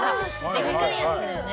でっかいやつだよね。